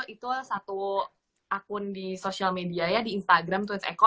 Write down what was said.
itu satu akun di sosial media ya di instagram twit eko